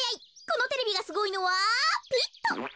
このテレビがすごいのはピッと。